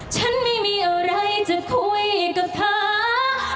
ฉันไม่มีอะไรจะคุยกับเธอ